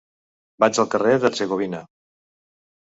Vaig al carrer d'Hercegovina.